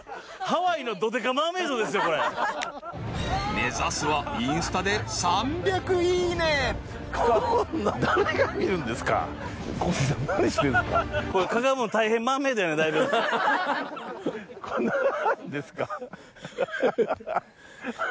目指すはインスタで３００いいね小杉さん何してるんですか？